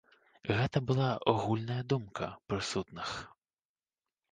Гэта была агульная думка прысутных.